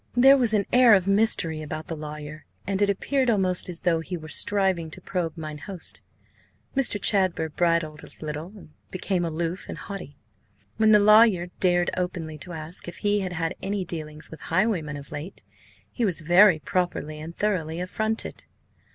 There was an air of mystery about the lawyer, and it appeared almost as though he were striving to probe mine host. Mr. Chadber bridled a little, and became aloof and haughty. When the lawyer dared openly to ask if he had had any dealings with highwaymen of late, he was very properly and thoroughly affronted.